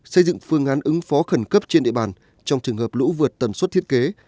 xây dựng phương án ứng phó khẩn cấp trên địa bàn trong trường hợp lũ vượt tần suất thiết kế